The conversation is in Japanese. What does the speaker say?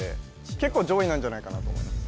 結構上位なんじゃないかなと思います